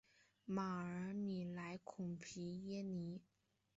马尔尼莱孔皮耶尼。